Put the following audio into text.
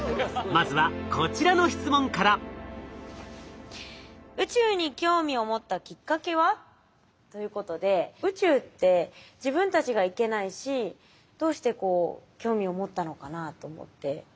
まずはこちらの質問から。ということで宇宙って自分たちが行けないしどうしてこう興味を持ったのかなと思って。